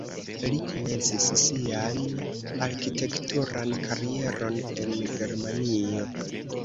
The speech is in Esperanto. Li komencis sian arkitekturan karieron en Germanio.